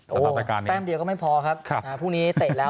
สำหรับประการนี้แป้มเดียวก็ไม่พอครับครับอ่าพรุ่งนี้เตะแล้ว